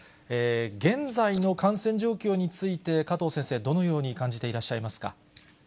現在の感染状況について、加藤先生、どのように感じていらっしゃいますか。